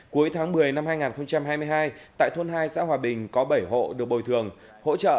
cuối tháng một mươi năm hai nghìn hai mươi hai tại thôn hai xã hòa bình có bảy hộ được bồi thường hỗ trợ